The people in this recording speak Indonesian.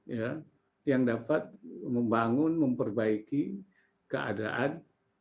ya yang dapat membangun memperbaiki keadaan